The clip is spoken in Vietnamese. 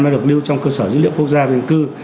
đã được lưu trong cơ sở dữ liệu quốc gia và dân cư